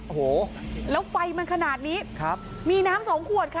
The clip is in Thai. โอ้โหแล้วไฟมันขนาดนี้ครับมีน้ำสองขวดค่ะ